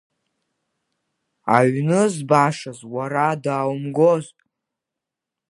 Аҩны збашаз уара дааумгоз!